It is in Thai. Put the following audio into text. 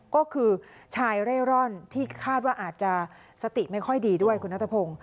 ก็คือชายเร่ร่อนที่คาดว่าอาจจะสติไม่ค่อยดีด้วยคุณนัทพงศ์